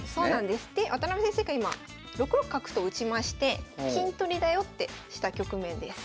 で渡辺先生が今６六角と打ちまして金取りだよってした局面です。